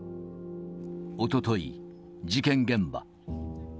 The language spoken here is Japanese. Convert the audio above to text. おととい、事件現場。